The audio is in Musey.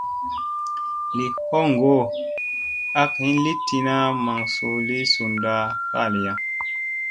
Li hoŋgo ak hin li tina maŋ suu li sunda faliya.